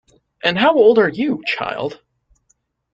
And how old are you, child!